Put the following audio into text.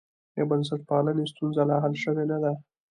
د بنسټپالنې ستونزه لا حل شوې نه ده.